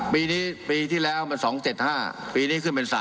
ปีนี้ปีที่แล้วมัน๒๗๕ปีนี้ขึ้นเป็น๓